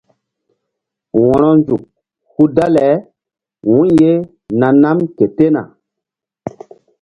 Wo̧ronzuk hul dale wu̧y ye na nam ke tena.